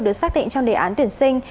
được xác định trong đề án tuyển sinh